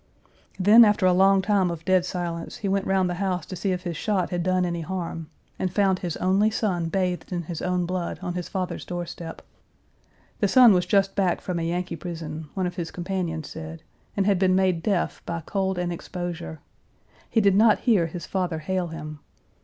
Then, after a long time of dead silence, he went round the house to see if his shot had done any harm, and found his only son bathed in his own blood on his father's door step. The son was just back from a Yankee prison one of his companions said and had been made deaf by cold and exposure. He did not hear his father hail him.